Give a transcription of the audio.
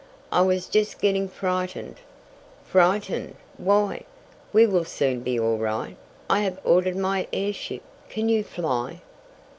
"I was just getting frightened." "Frightened! Why, we will soon be all right. I have ordered my airship. Can you fly?"